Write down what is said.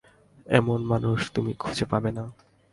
এমন মানুষ তুমি খুঁজে পাবে না!